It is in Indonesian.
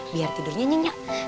biar tidurnya nyenyak